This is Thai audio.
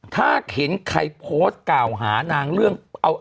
ถ้าเห็นใครโพสต์กล่าวหานางเรื่อง